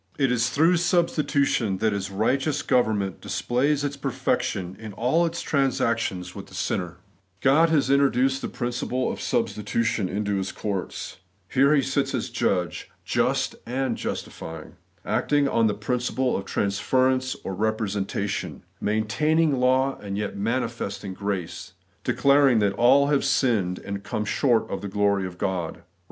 It is through substitution that His righteous government dis plays its perfection in all its transactions with the sinner. 16 The Everlasting Righteousness. God has introduced the principle of substitution into His courts. There He sits as judge, ' just and justifying ;' acting on the principle of transference or representation ; maintaining law, and yet mani festing grace : declaring that ' all have sinned and come short of the glory of God' (Eom.